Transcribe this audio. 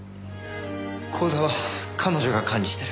口座は彼女が管理してる。